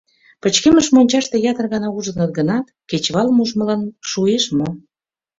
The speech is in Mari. Пычкемыш мончаште ятыр гана ужыныт гынат, кечывалым ужмылан шуэш мо?